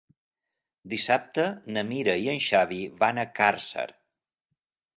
Dissabte na Mira i en Xavi van a Càrcer.